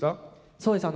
そうですね。